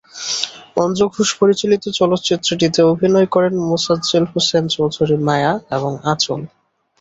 অঞ্জু ঘোষ পরিচালিত চলচ্চিত্রটিতে অভিনয় করেন মোফাজ্জল হোসেন চৌধুরী মায়া এবং আঁচল।